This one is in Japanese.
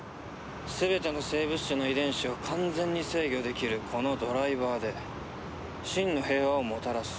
全ての生物種の遺伝子を完全に制御できるこのドライバーで真の平和をもたらす。